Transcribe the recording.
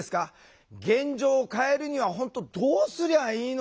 現状を変えるには本当どうすりゃいいのか。